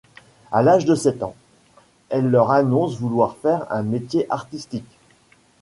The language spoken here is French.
À l'âge de sept ans, elle leur annonce vouloir faire un métier artistique.